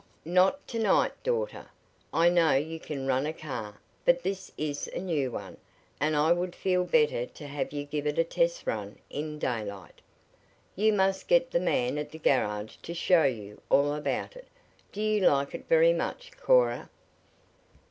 "Not to night, daughter. I know you can run a car, but this is a new one, and I would feel better to have you give it a test run in daylight. You must get the man at the garage to show you all about it. Do you like it very much, Cora?"